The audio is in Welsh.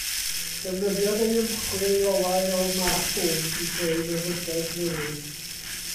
Defnyddiodd ei ymchwil i olau o'r math hwn i greu meddygaeth newydd.